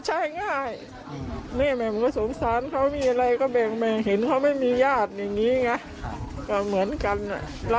แต่ในบัตรประชาชนว่าเป็นคนชายนาฬ